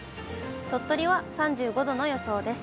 鳥取は３５度の予想です。